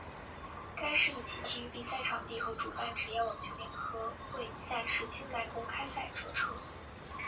该市以其体育比赛场地和主办职业网球联合会赛事清奈公开赛着称。